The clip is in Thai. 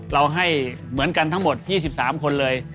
เราให้เหมือนกันทั้งหมด๒๓คนเลย